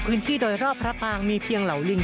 บริเวณหน้าสารพระการอำเภอเมืองจังหวัดลบบุรี